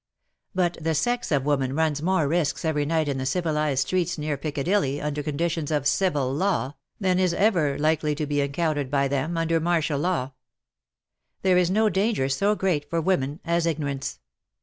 But the sex of woman runs more risks every night in the civilized streets near Piccadilly, under conditions of civil law, than is ever likely to be encountered by them under martial law. There is no danger so great for women as ignorance.